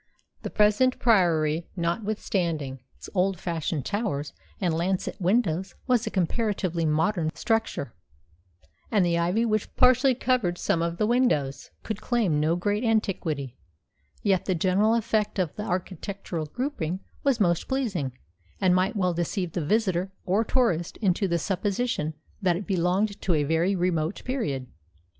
The present Priory, notwithstanding its old fashioned towers and lancet windows, was a comparatively modern structure, and the ivy which partially covered some of the windows could claim no great antiquity; yet the general effect of the architectural grouping was most pleasing, and might well deceive the visitor or tourist into the supposition that it belonged to a very remote period.